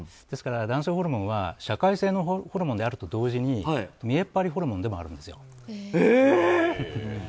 ですから、男性ホルモンは社会性のホルモンであると同時に見栄っ張りホルモンでもあるんですよ。